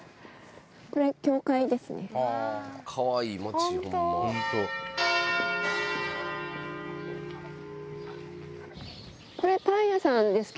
これ、教会ですね。